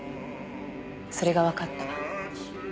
それがわかった。